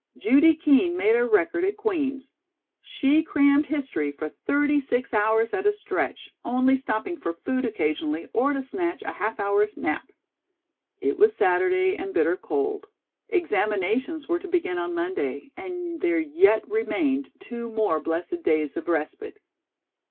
Judy Kean made a record at Queen's. She crammed history for thirty six hours at a stretch, only stopping for food occasionally or to snatch a half hour's nap. It was Saturday and bitter cold. Examinations were to begin on Monday, and there yet remained two more blessed days of respite.